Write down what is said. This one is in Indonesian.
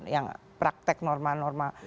yang praktek norma norma